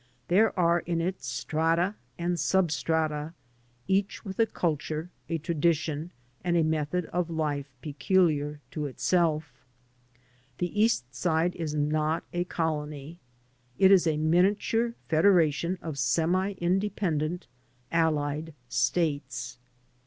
There are in it strata and sub strata, each with a culture, a tradition, and a method of life peculiar to itself. The East Side is not a colony; it is a miniature federation of semi independent, allied states.